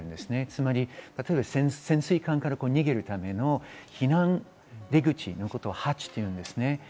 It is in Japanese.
つまり潜水艦から逃げるための避難出口のことをハッチといいます。